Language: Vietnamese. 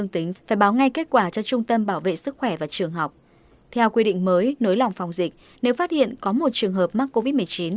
theo quy định mới nới lỏng phòng dịch nếu phát hiện có một trường hợp mắc covid một mươi chín